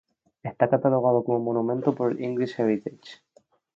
Está catalogado como monumento por el English Heritage.